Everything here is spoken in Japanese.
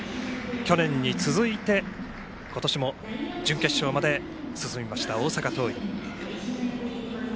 去年に続いて今年も準決勝まで進みました大阪桐蔭。